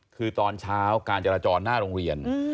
คือตอนเช้าการจราจรหน้าโรงเรียน